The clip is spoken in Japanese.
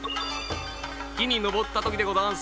きにのぼったときでござんす！